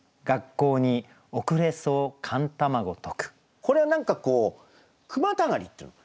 これは何かこう「句またがり」っていうの。